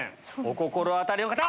お心当たりの方！